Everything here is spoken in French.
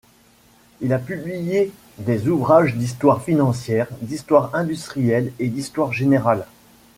Il a publié des ouvrages d'histoire financière, d'histoire industrielle et d'histoire générale.